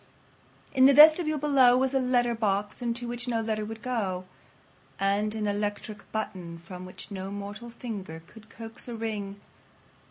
In the vestibule below was a letter box into which no letter would go, and an electric button from which no mortal finger could coax a ring.